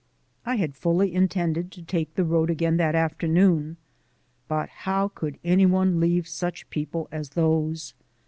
I had fully intended to take the road again that afternoon, but how could any one leave such people as those?